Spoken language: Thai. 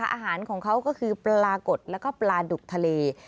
อาหารของเขาก็คือปลากดแล้วก็ปลาดุกทะเล